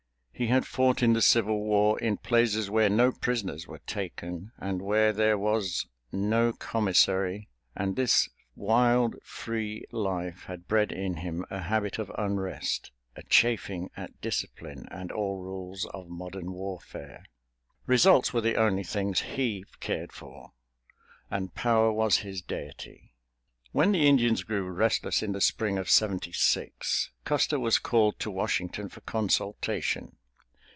He had fought in the Civil War in places where no prisoners were taken, and where there was no commissary. And this wild, free life had bred in him a habit of unrest—a chafing at discipline and all rules of modern warfare. Results were the only things he cared for, and power was his Deity. When the Indians grew restless in the Spring of Seventy six, Custer was called to Washington for consultation.